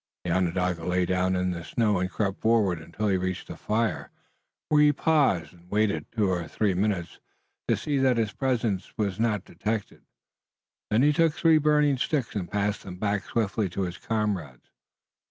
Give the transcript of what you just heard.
The Onondaga lay down in the snow and crept forward until he reached the fire, where he paused and waited two or three minutes to see that his presence was not detected. Then he took three burning sticks and passed them back swiftly to his comrades.